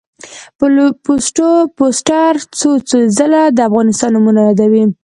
فورسټر څو څو ځله د افغانستان نومونه یادوي.